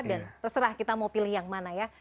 dan terserah kita mau pilih yang mana ya